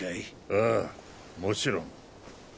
ああもちろん。